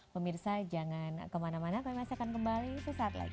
pemirsa jangan kemana mana kami masih akan kembali sesaat lagi